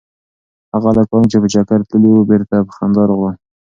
هغه هلکان چې په چکر تللي وو بېرته په خندا راغلل.